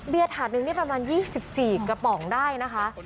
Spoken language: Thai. เบียร์ถาดนึงนี่ประมาณ๒๔กระป๋องได้นะคะ